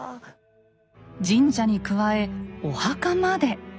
神社に加えお墓まで。